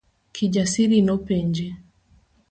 Kijasiri nopenje.